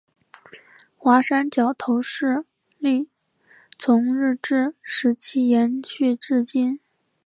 华山角头势力从日治时期延续至今。